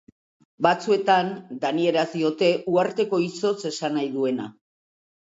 Batzuetan danieraz diote, uharteko izotz esan nahi duena.